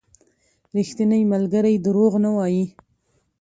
• ریښتینی ملګری دروغ نه وايي.